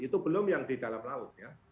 itu belum yang di dalam laut ya